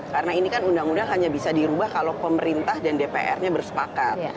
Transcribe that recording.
karena ini kan undang undang hanya bisa dirubah kalau pemerintah dan dpr nya bersepakat